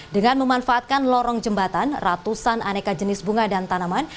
dengan memanfaatkan lorong jembatan ratusan aneka jenis bunga dan tanaman